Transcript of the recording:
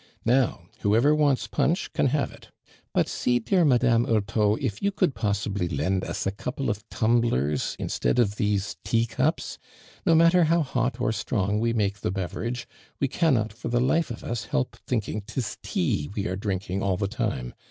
"Now, whoever wants punch can have it ; but see, dear Madame Hurteau, if you could possibly lend us a couple of tumblers instead of these tea cups ? No matter how hot or strong we make the beverage, we cannot for the life of us help thinking 'tis tea we are drinking all the time.